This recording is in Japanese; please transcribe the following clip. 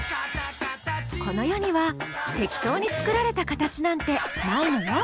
この世には適当に作られたカタチなんてないのよ。